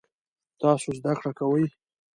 تاسو زده کړی کوئ؟